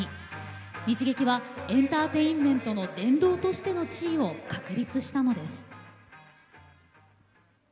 日劇はエンターテインメントの殿堂としての地位を確立したのです。